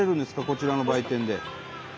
こちらの売店で。